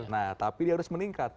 nah tapi dia harus meningkat